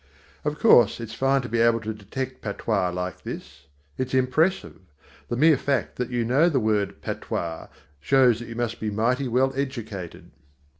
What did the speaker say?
Of course, it's fine to be able to detect patois like this. It's impressive. The mere fact that you know the word patois shows that you must be mighty well educated.